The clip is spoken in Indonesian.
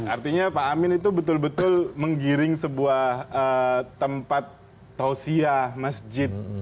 artinya pak amin itu betul betul menggiring sebuah tempat tausiyah masjid